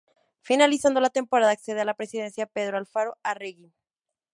Finalizando la temporada accede a la presidencia Pedro Alfaro Arregui.